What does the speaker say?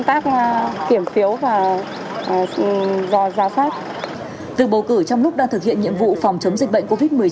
từ bầu cử trong lúc đang thực hiện nhiệm vụ phòng chống dịch bệnh covid một mươi chín